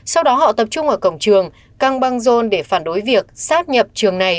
sau đó họ tập trung ở cổng trường căng băng dôn để phản đối việc sắp nhập trường này